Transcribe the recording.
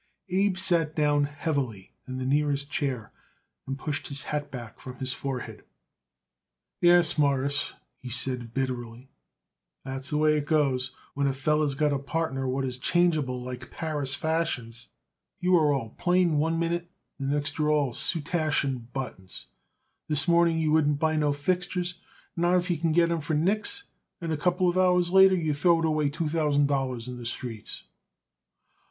Abe sat down heavily in the nearest chair and pushed his hat back from his forehead. "Yes, Mawruss," he said bitterly, "that's the way it goes when a feller's got a partner what is changeable like Paris fashions. You are all plain one minute, and the next you are all soutache and buttons. This morning you wouldn't buy no fixtures, not if you could get 'em for nix, and a couple hours later you throw it away two thousand dollars in the streets."